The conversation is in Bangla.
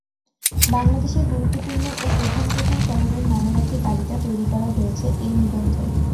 বাংলাদেশের গুরুত্বপূর্ণ ও প্রধান প্রধান শহরের নামের একটি তালিকা তৈরী করা হয়েছে এই নিবন্ধে।